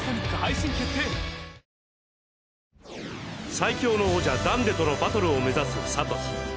最強の王者ダンデとのバトルを目指すサトシ。